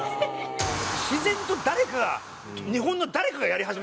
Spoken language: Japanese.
自然と誰かが日本の誰かがやり始めたんだろうね。